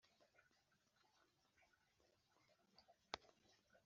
nuko aramubwira ati: jya ushinga aho mvuye :